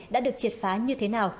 đã được triệt phá như thế nào